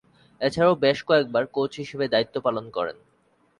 এছাড়াও বেশ কয়েকবার কোচ হিসেবে দায়িত্ব পালন করেন।